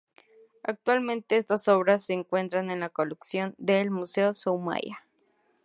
Actualmente estas obras se encuentran en la colección del Museo Soumaya.